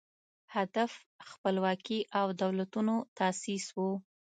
هدف خپلواکي او دولتونو تاسیس و